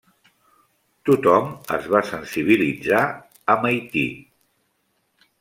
Tothom es va sensibilitzar amb Haití.